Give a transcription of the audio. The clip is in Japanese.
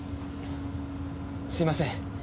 すいません。